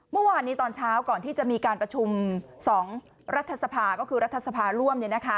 เมื่อวานนี้ตอนเช้าก่อนที่จะมีการประชุม๒รัฐสภาก็คือรัฐสภาร่วม